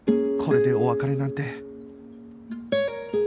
これでお別れなんて